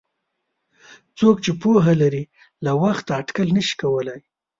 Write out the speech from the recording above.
څوک چې پوهه لري له وخته اټکل نشي کولای.